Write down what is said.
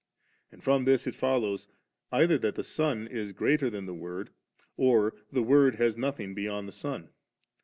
And from this it follows, either that the Son is greater than the Word, or the Word has nothing beyond the Son.